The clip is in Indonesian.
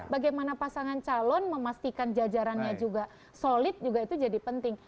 bagaimana pasangan calon memastikan jajarannya juga solid juga itu jadi penting